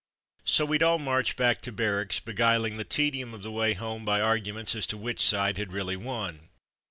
'' So we'd all march back to barracks beguiling the tedium of the way home by arguments as to which side had really won.